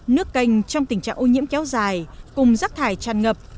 nước canh trong tình trạng ô nhiễm kéo dài cùng rác thải tràn ngập